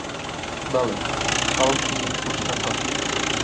بەڵێ، خەڵکی قوشتەپەم.